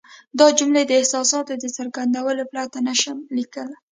دا جملې د احساساتو د څرګندولو پرته نه شم لیکلای.